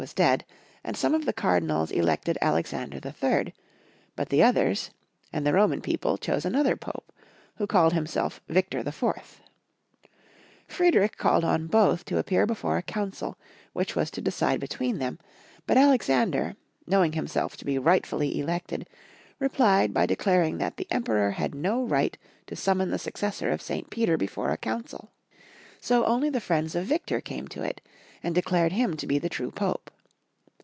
was dead, and some of the Cardinals elected Alexander III., but the others and the Roman people chose another Pope, who called himself Victor IV. Friedrich called on both to appear before a Council which was to decide between them, but Alexander, knowing himself to be rightfully elected, replied by declaring that the Emperor had no right to summon the successor of St. Peter before a Council. So only the friends of Victor came to it, and de clared him to be the true Pope.